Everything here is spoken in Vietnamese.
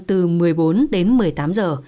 từ một mươi bốn đến một mươi tám giờ